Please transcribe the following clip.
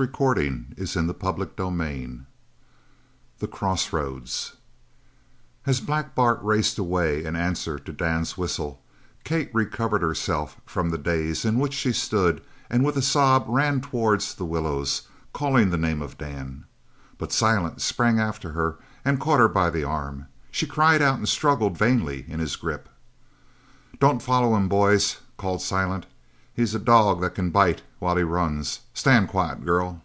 He turned his head. CHAPTER XV THE CROSS ROADS As Black Bart raced away in answer to Dan's whistle, Kate recovered herself from the daze in which she stood and with a sob ran towards the willows, calling the name of Dan, but Silent sprang after her, and caught her by the arm. She cried out and struggled vainly in his grip. "Don't follow him, boys!" called Silent. "He's a dog that can bite while he runs. Stand quiet, girl!"